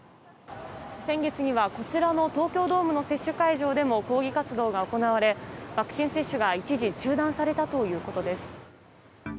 先月にはこちらの東京ドームの接種会場でも抗議活動が行われワクチン接種が一時中断されたということです。